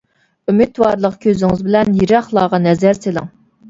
ئۈمىدۋارلىق كۆزىڭىز بىلەن يىراقلارغا نەزەر سېلىڭ!